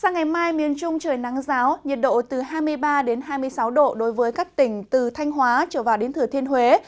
sang ngày mai miền trung trời nắng giáo nhiệt độ từ hai mươi ba hai mươi sáu độ đối với các tỉnh từ thanh hóa trở vào đến thừa thiên huế